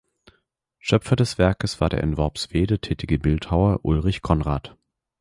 Schöpfer des Werkes war der in Worpswede tätige Bildhauer Ulrich Conrad.